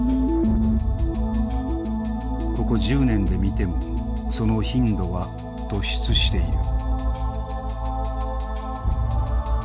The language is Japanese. ここ１０年で見てもその頻度は突出している。